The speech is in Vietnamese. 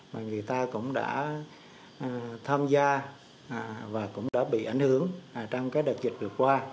chúng ta cũng đã tham gia và cũng đã bị ảnh hưởng trong các đợt dịch vừa qua